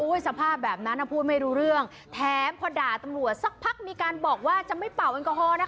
สภาพแบบนั้นพูดไม่รู้เรื่องแถมพอด่าตำรวจสักพักมีการบอกว่าจะไม่เป่าแอลกอฮอลนะ